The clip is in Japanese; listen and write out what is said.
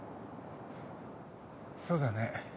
そうだね。